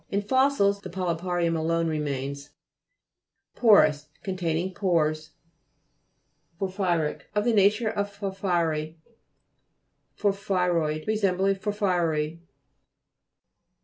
In fossils the polyparium alone re mains. PO'ROUS Containing pores. PORPHTRI'TIC Of the nature of por POR'PHYROID Resembling porphyry.